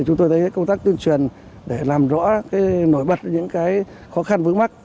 chúng tôi thấy công tác tuyên truyền để làm rõ nổi bật những khó khăn vướng mắt